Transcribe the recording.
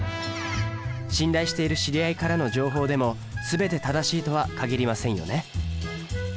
信頼している知り合いからの情報でも全て正しいとは限りませんよね。